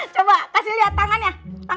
coba kasih lihat tangannya